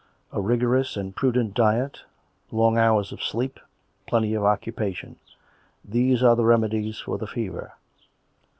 A rigorous and prudent diet; long hours of sleep, plenty of occupation 122 COME RACK! COME ROPE! — these are the remedies for the fever.